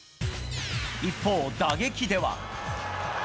一方、打撃では。